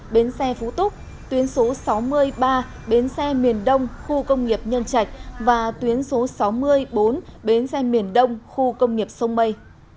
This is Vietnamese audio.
bến xe phú túc tuyến số sáu mươi ba bến xe miền đông khu công nghiệp nhân trạch và tuyến số sáu mươi bốn bến xe miền đông khu công nghiệp sông mây